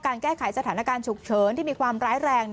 แก้ไขสถานการณ์ฉุกเฉินที่มีความร้ายแรง